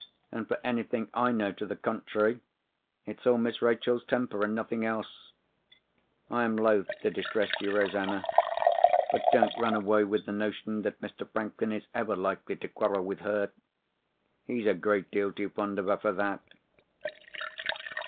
'And, for anything I know to the contrary, it's all Miss Rachel's temper, and nothing else. I am loth to distress you, Rosanna; but don't run away with the notion that Mr. Franklin is ever likely to quarrel with her. He's a great deal too fond of her for that!